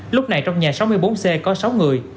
lúc này trong nhà sáu mươi bốn c có sáu người